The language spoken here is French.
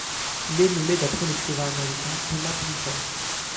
Il est nommé d'après l'écrivain américain Thomas Pynchon.